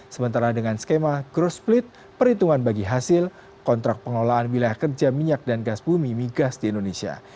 sementara dengan skema growth split perhitungan bagi hasil kontrak pengelolaan wilayah kerja minyak dan gas bumi migas di indonesia